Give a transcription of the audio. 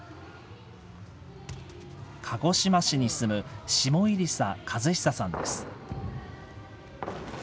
鹿児島市に住む下入佐和久さんです。